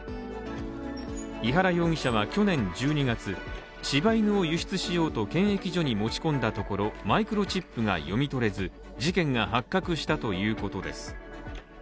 井原容疑者は去年１２月、柴犬を輸出しようと検疫所に持ち込んだところ、マイクロチップが読み取れず、事件が発覚したということです。